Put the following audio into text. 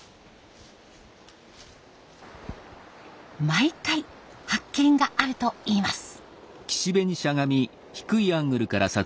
毎回発見があるといいます。